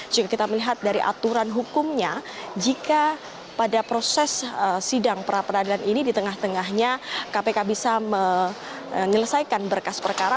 jika kita melihat dari aturan hukumnya jika pada proses sidang pra peradilan ini di tengah tengahnya kpk bisa menyelesaikan berkas perkara